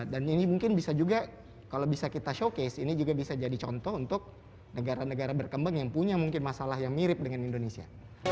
dan ini mungkin bisa juga kalau bisa kita showcase ini juga bisa jadi contoh untuk negara negara berkembang yang punya mungkin masalah yang mirip dengan indonesia